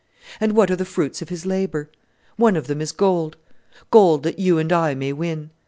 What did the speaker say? And what are the fruits of His labour? One of them is gold: gold that you and I may win.